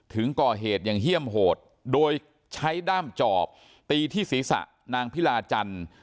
ถึงก่อเหตุอย่างเฮี่ยมโหดโดยใช้ด้ามจอบตีที่ศีรษะนางพิลาจันทร์